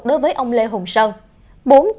đối với ông lê hồng sơn